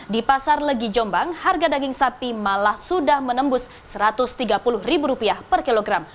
di pasar legi jombang harga daging sapi malah sudah menembus rp satu ratus tiga puluh per kilogram